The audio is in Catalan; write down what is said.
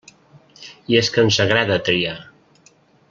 I és que ens agrada triar.